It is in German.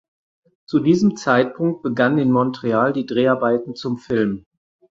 Zu diesem Zeitpunkt begannen in Montreal die Dreharbeiten zum Film.